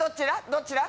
どっちだ？